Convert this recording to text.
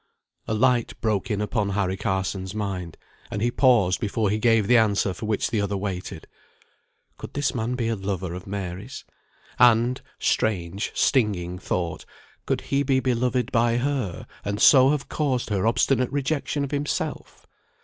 A light broke in upon Harry Carson's mind, and he paused before he gave the answer for which the other waited. Could this man be a lover of Mary's? And (strange, stinging thought) could he be beloved by her, and so have caused her obstinate rejection of himself?